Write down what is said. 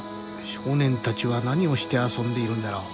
少年たちは何をして遊んでいるんだろう。